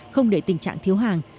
không để tình trạng thiếu hàng